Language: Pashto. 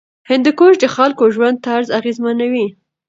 هندوکش د خلکو ژوند طرز اغېزمنوي.